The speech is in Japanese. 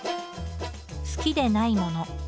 好きでないもの